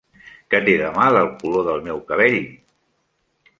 Què té de mal el color del meu cabell?